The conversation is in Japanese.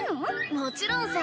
もちろんさ！